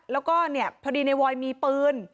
แล้วก็เนี่ยพอดีในวอยมีปืน